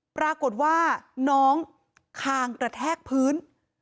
ปรากฏว่าน้องคางกระแทกพื้น